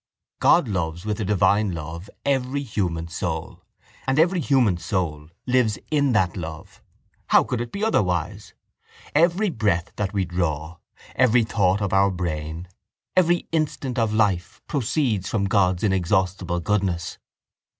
God loves with a divine love every human soul and every human soul lives in that love. How could it be otherwise? Every breath that we draw, every thought of our brain, every instant of life proceeds from God's inexhaustible goodness.